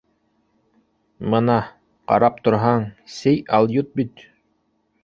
Мына: ҡарап торһаң, сей алйот бит.